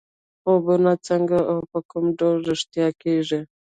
خوبونه څنګه او په کوم ډول رښتیا کېږي.